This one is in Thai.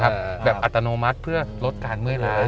แบบอัตโนมัติเพื่อลดการเมื่อยล้า